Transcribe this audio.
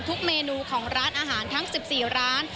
เมนูของร้านอาหารทั้ง๑๔ร้าน